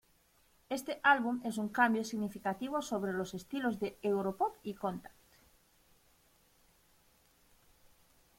Este álbum es un cambio significativo sobre los estilos de Europop y Contact!